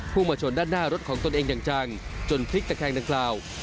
มาชนด้านหน้ารถของตนเองอย่างจังจนพลิกตะแคงดังกล่าว